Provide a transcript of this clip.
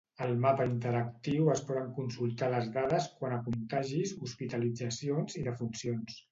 Al mapa interactiu es poden consultar les dades quant a contagis, hospitalitzacions i defuncions.